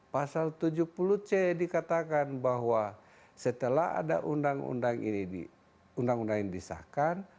pasal tujuh puluh c dikatakan bahwa setelah ada undang undang ini disahkan